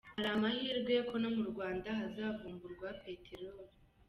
Hari amahirwe ko no mu Rwanda hazavumburwa Peteroli